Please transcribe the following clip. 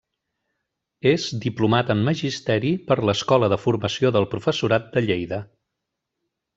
És Diplomat en Magisteri per l'Escola de Formació del Professorat de Lleida.